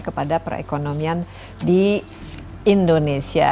kepada perekonomian di indonesia